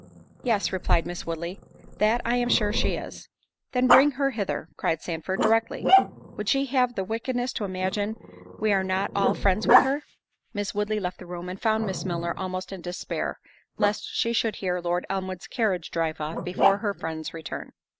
"Yes," replied Miss Woodley, "that I am sure she is." "Then bring her hither," cried Sandford, "directly. Would she have the wickedness to imagine we are not all friends with her?" Miss Woodley left the room, and found Miss Milner almost in despair, lest she should hear Lord Elmwood's carriage drive off before her friend's return.